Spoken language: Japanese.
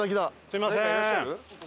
すみません。